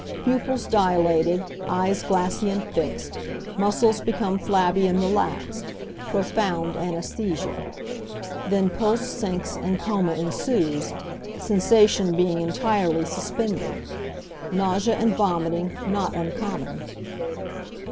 Pupils dilated, eyes glassy and fixed, muscles become flabby and relaxed, profound anæsthesia. Then pulse sinks and coma ensues, sensation being entirely suspended. Nausea and vomiting not uncommon.